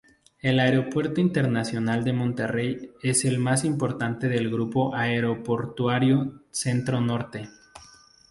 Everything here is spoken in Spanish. El Aeropuerto Internacional de Monterrey es el más importante del Grupo Aeroportuario Centro Norte.